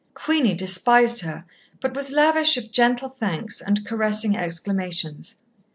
Queenie despised her, but was lavish of gentle thanks and caressing exclamations.